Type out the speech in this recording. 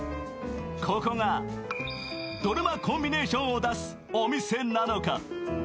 ここがドルマコンビネーションを出すお店なのか？